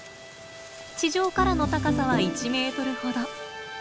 地上からの高さは１メートルほど。